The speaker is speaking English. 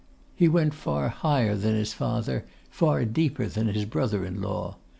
He went far higher than his father; far deeper than his brother in law.